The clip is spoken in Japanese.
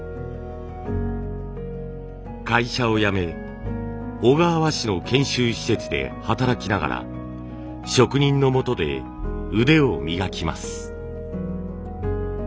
会社を辞め小川和紙の研修施設で働きながら職人の下で腕を磨きます。